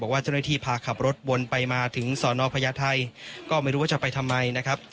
ว่าเจ้าหน้าที่พาขับรถวนไปมาถึงสอนอพญาไทยก็ไม่รู้ว่าจะไปทำไมนะครับ